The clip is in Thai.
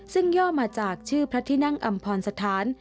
ซึ่งย่อมาจากชื่อพระที่นั่งอำพรสถาน